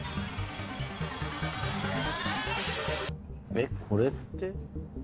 えっこれって。